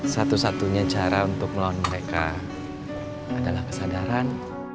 satu satunya cara untuk melawan mereka adalah kesadaran